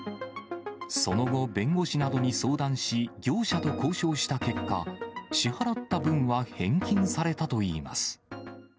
その後、弁護士などに相談し、業者と交渉した結果、支払った分は返金されたといいます。